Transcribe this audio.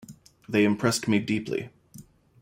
They impressed me deeply.